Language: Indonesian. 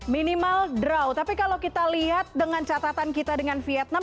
minimal draw tapi kalau kita lihat dengan catatan kita dengan vietnam